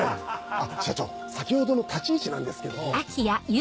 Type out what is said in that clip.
あっ社長先ほどの立ち位置なんですけども。